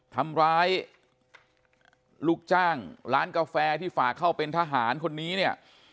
ทำร้ายลูกจ้างร้านกาแฟที่ฝากเข้าเป็นทหารคนนี้เนี่ย